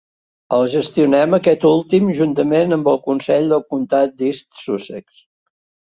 El gestionen aquest últim juntament amb el consell del comtat d'East Sussex.